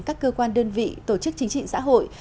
các cơ quan đơn vị tổ chức chính trị xã hội